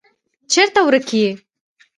چیرته ورک یې.